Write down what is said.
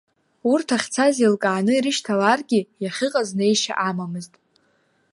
Урҭ ахьцаз еилкааны ирышьҭаларгьы, иахьыҟаз неишьа амамызт.